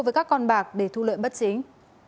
với các con bạc để thu lợi bất chính